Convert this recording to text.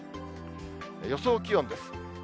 予想気温です。